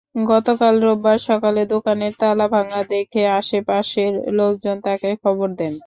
গতকাল রোববার সকালে দোকানের তালা ভাঙা দেখে আশপাশের লোকজন তাঁকে খবর দেন।